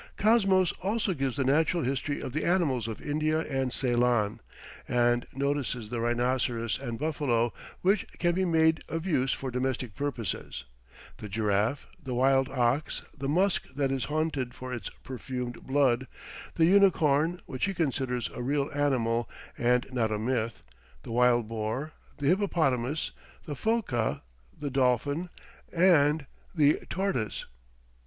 Cosmos also gives the natural history of the animals of India and Ceylon, and notices the rhinoceros and buffalo, which can be made of use for domestic purposes, the giraffe, the wild ox, the musk that is hunted for its "perfumed blood," the unicorn, which he considers a real animal and not a myth, the wild boar, the hippopotamus, the phoca, the dolphin, and the tortoise.